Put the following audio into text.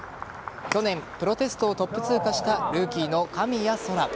去年プロテストをトップ通過したルーキーの神谷そら。